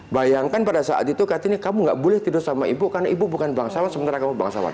bayangkan pada saat itu katanya kamu nggak boleh tidur sama ibu karena ibu bukan bangsawan sementara kamu bangsawan